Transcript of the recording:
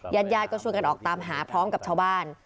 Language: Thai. ญาติญาติก็ช่วยกันออกตามหาพร้อมกับชาวบ้าน